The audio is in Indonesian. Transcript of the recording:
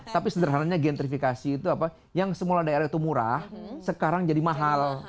tapi sederhananya gentrifikasi itu apa yang semula daerah itu murah sekarang jadi mahal